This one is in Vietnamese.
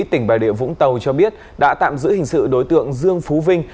tỉnh bài đệ vũng tàu cho biết đã tạm giữ hình sự đối tượng dương phú vinh